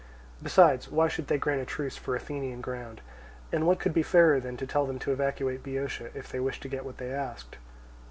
Besides, why should they grant a truce for Athenian ground? And what could be fairer than to tell them to evacuate Boeotia if they wished to get what they asked?